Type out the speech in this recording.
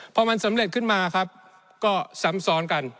พอมันสำเร็จขึ้นมาครับก็ซ้ำซ้อนกัน